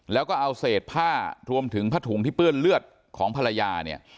แล้วก็เอาเศษผ้ารวมถึงผ้าถุงที่เปื้อนเลือดของภรรยาเนี่ย